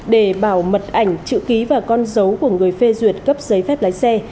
để bảo mật ảnh chữ ký và con dấu của người phê duyệt cấp giấy phép lái xe